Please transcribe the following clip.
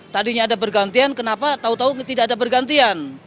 tadinya ada bergantian kenapa tahu tahu tidak ada bergantian